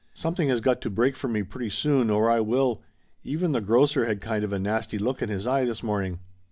Something has got to break for me pretty soon or I will. Even the grocer had kind of a nasty look in his eye this morning."